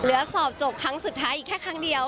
สอบจบครั้งสุดท้ายอีกแค่ครั้งเดียว